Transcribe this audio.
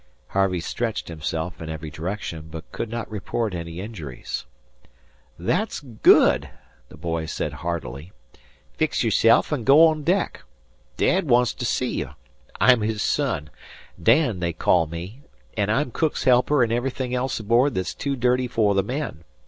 Harvey stretched himself in every direction, but could not report any injuries. "That's good," the boy said heartily. "Fix yerself an' go on deck. Dad wants to see you. I'm his son, Dan, they call me, an' I'm cook's helper an' everything else aboard that's too dirty for the men.